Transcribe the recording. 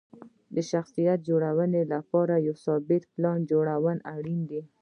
د شخصیت جوړونې لپاره یو ثابت پلان جوړول اړین دي.